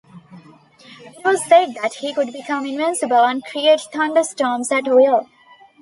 It was said that he could become invisible and create thunderstorms at will.